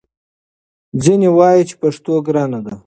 ځینې وايي چې پښتو ګرانه ده